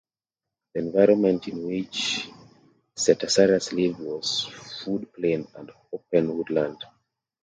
The environment in which "Cetiosaurus" lived was floodplain and open woodland.